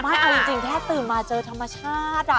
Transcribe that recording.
ไม่เอาจริงแค่ตื่นมาเจอธรรมชาติ